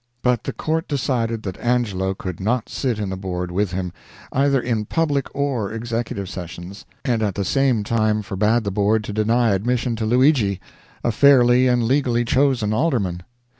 But the court decided that Angelo could not sit in the board with him, either in public or executive sessions, and at the same time forbade the board to deny admission to Luigi, a fairly and legally chosen alderman.